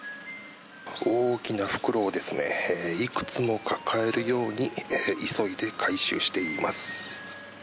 大きな袋をいくつも抱えるように急いで回収しています。